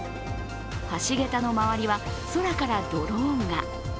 橋桁の周りは、空からドローンが。